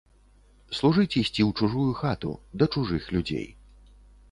Служыць ісці ў чужую хату, да чужых людзей.